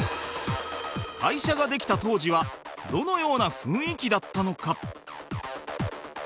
会社ができた当時はどのような雰囲気だったのか？